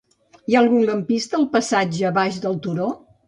Hi ha algun lampista al passatge Baix del Turó?